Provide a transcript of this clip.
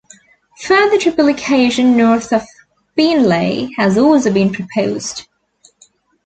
Further triplication north of Beenleigh has also been proposed.